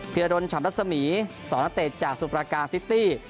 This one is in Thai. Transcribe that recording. พิราดนฉำรัศมีศนัตเตจากซุปราการ์ซิตี้